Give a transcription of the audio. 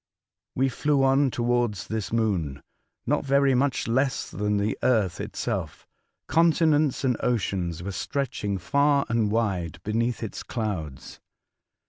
We flew on towards this moon, not so very much less than the earth itself. Continents and oceans were stretching far and wide beneath its clouds.